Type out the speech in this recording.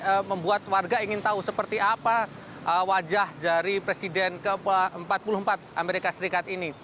apa yang membuat warga ingin tahu seperti apa wajah dari presiden ke empat puluh empat amerika serikat ini